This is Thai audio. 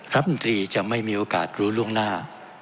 รัฐมนตรีจะไม่มีโอกาสรู้ล่วงหน้า